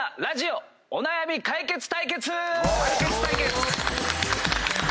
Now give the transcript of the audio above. ラジオお悩み解決対決！